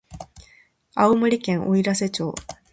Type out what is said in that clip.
青森県おいらせ町